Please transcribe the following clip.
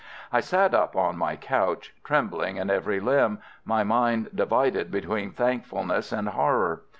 I sat up on my couch, trembling in every limb, my mind divided between thankfulness and horror.